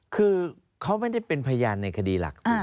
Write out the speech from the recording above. คือเขาไม่ได้เป็นพยานในคดีหลัก